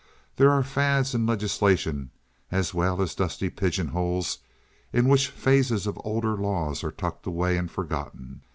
There are fads in legislation as well as dusty pigeonholes in which phases of older law are tucked away and forgotten.